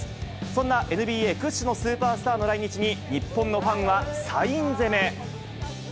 そんなＮＢＡ屈指のスーパースターの来日に、日本のファンはサイン攻め。